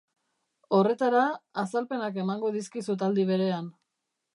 Horretara, azalpenak emango dizkizut aldi berean.